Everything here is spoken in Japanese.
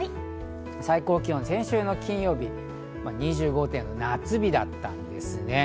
最高気温が先週の金曜日、２５．４度で夏日だったんですね。